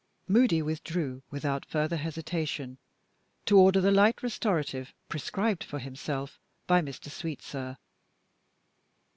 Moody withdrew, without further hesitation, to order the light restorative prescribed for himself by Mr. Sweetsir.